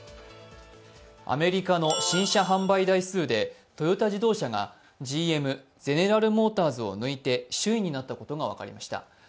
アメリカの新車販売台数でトヨタ自動車がＧＭ＝ゼネラルモーターズを抜いて首位になったことが分かりました。